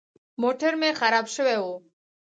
موټر مې خراب سوى و.